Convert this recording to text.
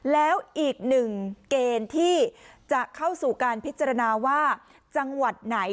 แล้วอีกหนึ่งเกณฑ์ที่จะเข้าสู่การพิจารณาว่าจังหวัดไหน